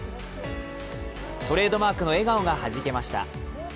トレードマークの笑顔がはじけました。